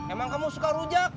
emang kamu suka rujak